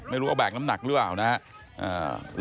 ไม่รู้ว่าแบกน้ำหนักหรือเปล่านะครับ